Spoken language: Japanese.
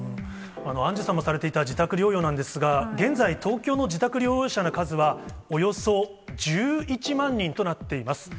アンジュさんもされていた自宅療養なんですが、現在、東京の自宅療養者の数は、およそ１１万人となっています。